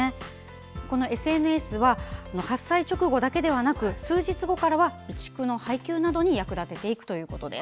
このＳＮＳは発災直後だけでなく数日後からは備蓄の配給などに役立てていくということです。